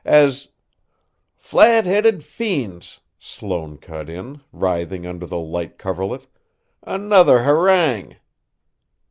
As " "Flat headed fiends!" Sloane cut in, writhing under the light coverlet. "Another harangue!"